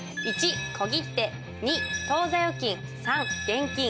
１小切手２当座預金３現金。